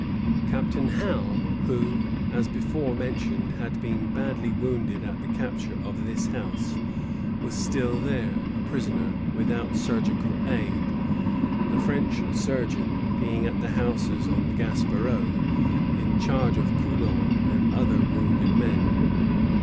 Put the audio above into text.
Captain Howe, who, as before mentioned, had been badly wounded at the capture of this house, was still there, a prisoner, without surgical aid, the French surgeon being at the houses on the Gaspereau, in charge of Coulon and other wounded men.